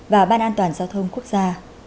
và ban an toàn giao thông quốc gia